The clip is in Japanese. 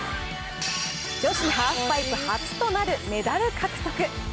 女子ハーフパイプ初となるメダル獲得。